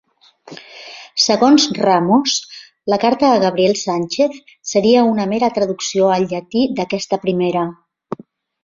Segons Ramos, la carta a Gabriel Sánchez seria una mera traducció al llatí d'aquesta primera.